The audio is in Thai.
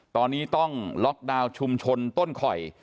ตอนนี้ต้องล็อกดาวน์ชุมชนต้นข่อย